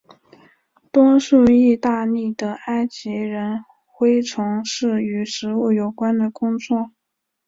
多数义大利的埃及人恢从事与食物有关的工作。